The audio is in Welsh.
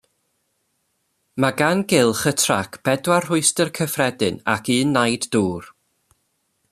Mae gan gylch y trac bedwar rhwystr cyffredin ac un naid dŵr.